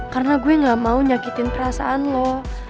karena gue gak mau nyakitin perasaan lo